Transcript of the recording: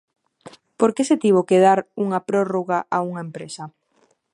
¿Por que se tivo que dar unha prórroga a unha empresa?